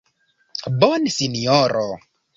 Bone, Sinjoro.